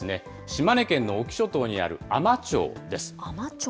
島根県の隠岐諸島にある海士町で海士町？